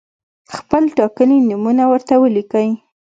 خپل ټاکلي نومونه ورته ولیکئ.